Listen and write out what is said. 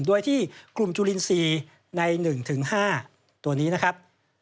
โดยที่กลุ่มจุลินทรีย์ใน๑๕ตัวนี้นะครับ